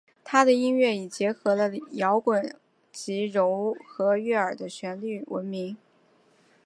她的音乐以结合了摇滚及柔和悦耳的旋律闻名。